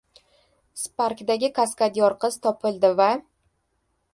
Sparkdagi «Kaskadyor qiz» topildi va...